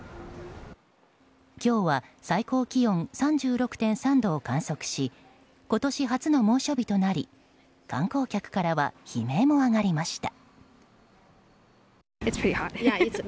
今日は最高気温３６．３度を観測し今年初の猛暑日となり観光客からは悲鳴も上がりました。